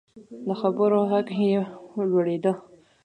د خبرو غږ یې لوړیده.